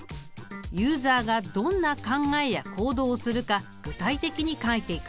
ユーザーがどんな考えや行動をするか具体的に書いていく。